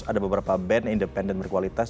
ada beberapa band independen berkualitas